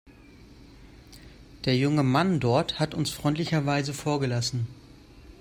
Der junge Mann dort hat uns freundlicherweise vorgelassen.